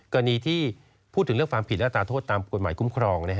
การีที่พูดถึงเรื่องฟังผิดและอัตราโทษตามปัญหาคุ้มครองนะฮะ